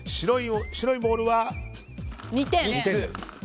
白いボールは２点です。